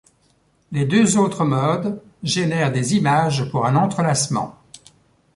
Les deux autres modes génèrent des images pour un entrelacement.